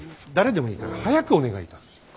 誰でもいいから早くお願いいたす。